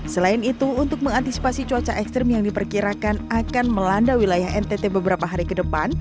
selain itu untuk mengantisipasi cuaca ekstrim yang diperkirakan akan melanda wilayah ntt beberapa hari ke depan